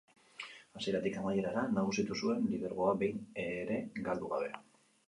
Hasieratik amaierara nagusitu zuen, lidergoa behin ere galdu gabe.